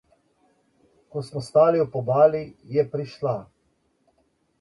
Ko smo stali ob obali, je prišla.